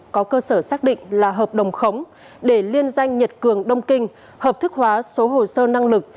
có cơ sở xác định là hợp đồng khống để liên danh nhật cường đông kinh hợp thức hóa số hồ sơ năng lực